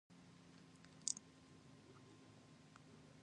阻止円のように皆私を避けている